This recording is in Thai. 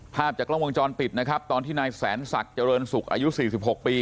ภาพจากกล้องวงจรปิดนะครับตอนที่นายแสนศักดิ์เจริญสุขอายุ๔๖ปี